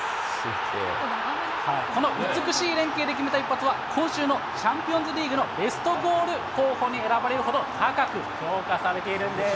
この美しい連係で決めた一発は、今週のチャンピオンズリーグベストゴール候補に選ばれるほど、高く評価されているんです。